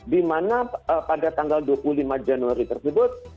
di mana pada tanggal dua puluh lima januari tersebut